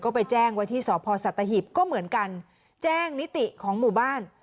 ก็ไปแจ้งไว้ที่สพสัตหิบก็เหมือนกันแจ้งนิติของหมู่บ้าน